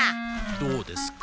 どうですか？